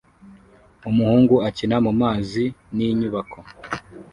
Umuhungu akina mumazi ninyubako